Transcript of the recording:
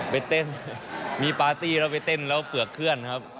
ไปเต้นมีปาร์ตี้แล้วไปเต้นแล้วเปลือกเคลื่อนครับ